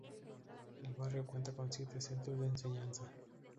El barrio cuenta con siete centros de enseñanza.